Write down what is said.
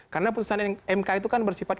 karena putusan mk itu kan bersifat